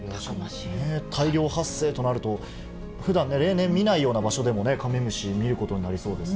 大量発生となると、ふだんね、例年見ないような場所でもね、カメムシ見ることになりそうです